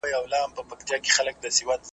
چي د سپي سترګي سوې خلاصي په غپا سو .